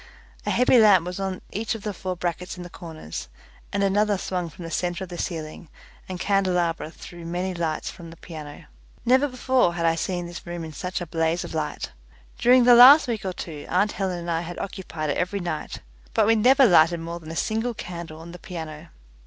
A heavy lamp was on each of the four brackets in the corners, and another swung from the centre of the ceiling, and candelabra threw many lights from the piano. Never before had I seen this room in such a blaze of light. During the last week or two aunt Helen and I had occupied it every night, but we never lighted more than a single candle on the piano.